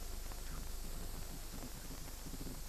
Sub ভালো লেগে থাকলে সাবে গুড রেটিং ও ফিডব্যাক দিতে ভুলবেন না।